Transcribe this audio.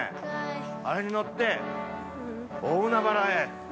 あれに乗って、大海原へ。